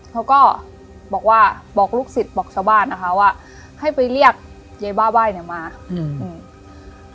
เขาก็บอกว่าบอกลูกศิษย์บอกชาวบ้านนะคะว่าให้ไปเรียกยายบ้าไหว้เนี้ยมาอืมอืม